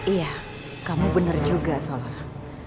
iya kamu bener juga solora